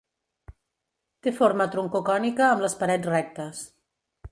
Té forma troncocònica amb les parets rectes.